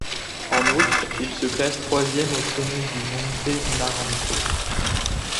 En outre, il se classe troisième au sommet du Monte Naranco.